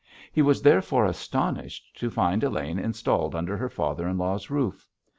He was therefore astonished to find Elaine installed under her father in law's roof.